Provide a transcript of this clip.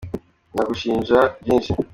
Nagushinja byinshi